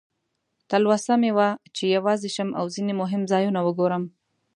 تلوسه مې وه چې یوازې شم او ځینې مهم ځایونه وګورم.